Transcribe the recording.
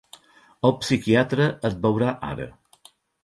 El psiquiatra et veurà ara.